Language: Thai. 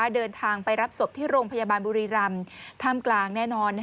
เดินทางไปรับศพที่โรงพยาบาลบุรีรำท่ามกลางแน่นอน